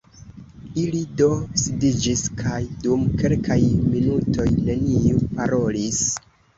Ili do sidiĝis, kaj dum kelkaj minutoj neniu_ parolis.